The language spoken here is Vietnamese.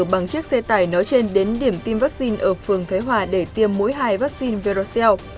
bằng chiếc xe tải nói trên đến điểm tiêm vaccine ở phường thuế hòa để tiêm mỗi hai vaccine verocell